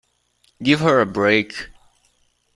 Give her a break!